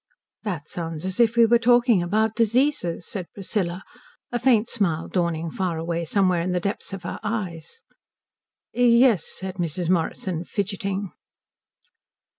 "That sounds as if we were talking about diseases," said Priscilla, a faint smile dawning far away somewhere in the depths of her eyes. "Yes," said Mrs. Morrison, fidgeting.